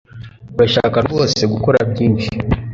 Urashaka rwose gukora byinshi?